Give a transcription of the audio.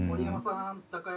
高山さん